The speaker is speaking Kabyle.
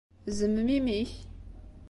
Zemmem imi-k!